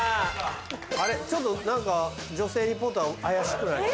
ちょっと何か女性リポーター怪しくない？